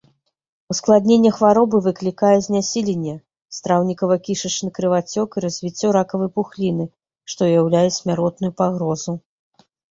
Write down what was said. Ускладненне хваробы выклікае знясіленне, страўнікава-кішачны крывацёк і развіццё ракавай пухліны, што ўяўляе смяротную пагрозу.